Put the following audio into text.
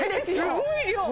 すごい量！